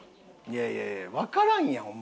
いやいやわからんやんお前。